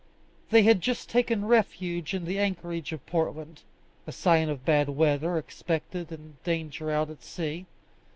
They had just taken refuge in the anchorage of Portland a sign of bad weather expected and danger out at sea.